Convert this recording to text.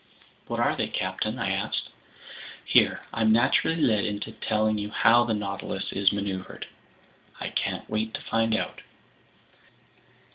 "What are they, captain?" I asked. "Here I'm naturally led into telling you how the Nautilus is maneuvered." "I can't wait to find out."